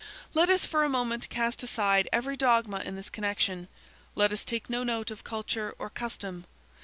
Let us for a moment cast aside every dogma in this connection. Let us take no note of culture, or custom.